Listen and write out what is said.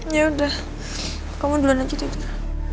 ya udah kamu duluan aja tidur